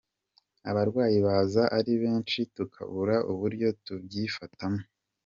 Abarwayi baza ari benshi tukabura uburyo tubyifatamo.